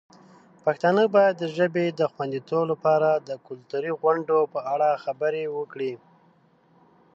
پښتانه باید د ژبې د خوندیتوب لپاره د کلتوري غونډو په اړه خبر وي.